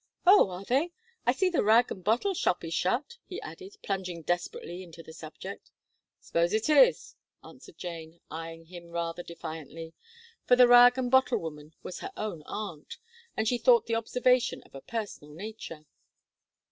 "Oh, are they! I see the rag and bottle shop is shut," he added, plunging desperately into the subject. "S'pose it is!" answered Jane, eyeing him rather defiantly; for the rag and bottle woman was her own aunt; and she thought the observation of a personal nature.